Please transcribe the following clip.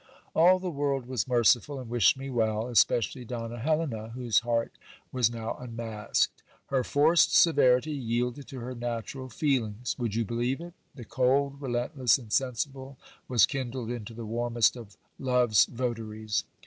All the world was merciful, and wished me well, especially Donna Helena, whose heart was now unmasked. Her forced severity yielded to her natural feelings. Would you believe it ? The cold, relendess, insensible, was kindled into the warmest of love's votaries.